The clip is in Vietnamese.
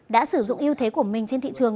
đã sử dụng yêu thế của mình trên thị trường